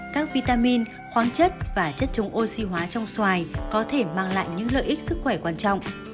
các vitamin khoáng chất và chất chống oxy hóa trong xoài có thể mang lại những lợi ích sức khỏe quan trọng